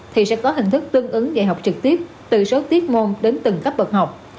thì sẽ có hình thức tương ứng dạy học trực tiếp từ số tiết môn đến từng cấp bậc học